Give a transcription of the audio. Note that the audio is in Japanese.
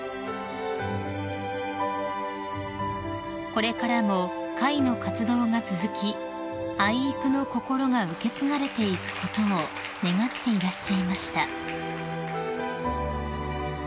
［これからも会の活動が続き愛育の心が受け継がれていくことを願っていらっしゃいました］